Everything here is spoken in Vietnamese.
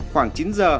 khoảng chín giờ